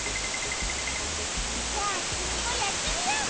じゃあきみもやってみよう！